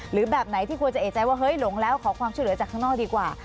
แบบไหนที่ควรจะเอกใจว่าเฮ้ยหลงแล้วขอความช่วยเหลือจากข้างนอกดีกว่า